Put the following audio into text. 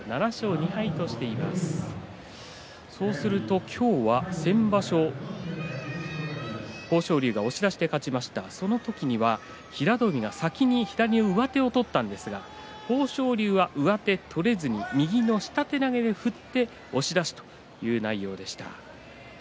そうすると今日は先場所、豊昇龍が押し出しで勝ちましたがその時には平戸海が先に左の上手を取ったんですが豊昇龍は上手を取れずで右の下手投げで勝って押し出しという内容でした。